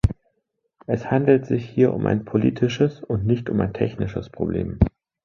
Es handelt sich hier um ein politisches und nicht um ein technisches Problem.